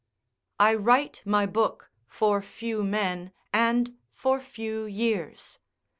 I write my book for few men and for few years.